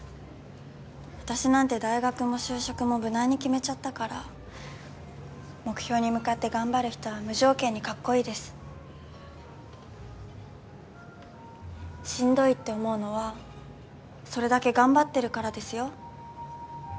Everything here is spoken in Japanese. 私なんて大学も就職も無難に決めちゃったから目標に向かって頑張る人は無条件にかっこいいですしんどいって思うのはそれだけ頑張ってるからですよ